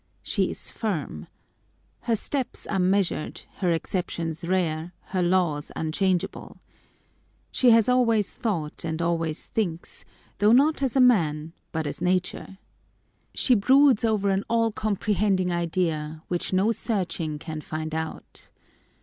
She is firm. Her steps are measured, her exceptions rare, her laws unchangeable. She has always thought and always thinks ; though not as a man, but as Nature. She broods over an allcomprehending idea, which no searching can find out.